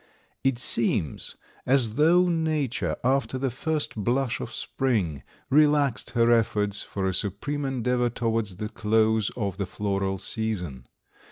It seems as though Nature, after the first blush of spring, relaxed her efforts for a supreme endeavor towards the close of the floral season.